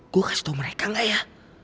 gue kasih tau mereka gak ya